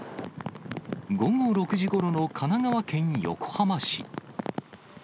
午後６時ごろの神奈川県横浜市。